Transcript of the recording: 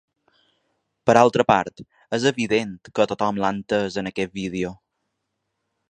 Per altra part, és evident que tothom l’ha entès en aquest vídeo.